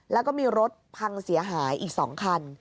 แล้วก็มีรถพังเสียหายอีก๒คัน